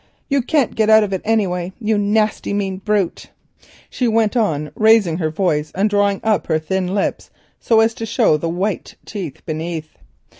You can't get out of it any way, you nasty mean brute," she went on, raising her voice and drawing up her thin lips so as to show the white teeth beneath.